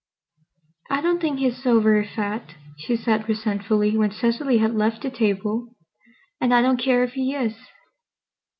"I don't think he's so very fat," she said resentfully, when Cecily had left the table. "And I don't care if he is."